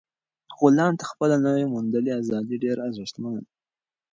غلام ته خپله نوي موندلې ازادي ډېره ارزښتمنه وه.